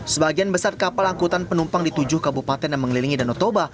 sebagian besar kapal angkutan penumpang di tujuh kabupaten yang mengelilingi danau toba